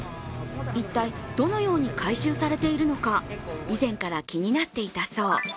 一体どのように回収されているのか以前から気になっていたそう。